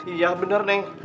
iya bener neng